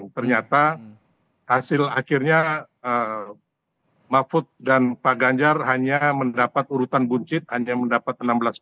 ternyata hasil akhirnya mahfud dan pak ganjar hanya mendapat urutan buncit hanya mendapat enam belas empat puluh